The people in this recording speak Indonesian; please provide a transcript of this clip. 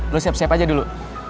lo siap siap aja dulu